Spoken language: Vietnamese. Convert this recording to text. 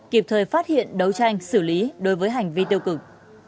kịp thời phát hiện đấu tranh xử lý đối với hành vi tiêu cực